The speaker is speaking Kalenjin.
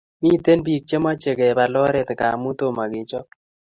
Miten pik che mache kepal oren ngamu tomo kechap